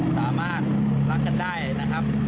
สามารถรักกันได้นะครับ